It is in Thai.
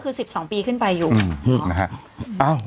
ตอนนี้ก็คือ๑๒ปีขึ้นไปอยู่